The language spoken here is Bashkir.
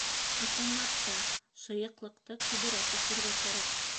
Ысынлап та, шыйыҡлыҡты күберәк эсергә кәрәк.